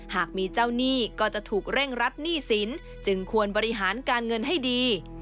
หากมีเจ้าหนี้ก็จะถูกเร่งรัดหนี้สินจึงควรบริหารการเงินให้ดี